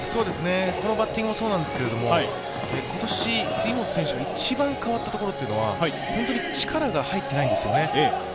このバッティングもそうなんですけど、今年、杉本選手が一番変わったところは、本当に力が入っていないんですよね。